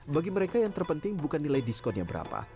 bagi mereka yang terpenting bukan nilai diskonnya berapa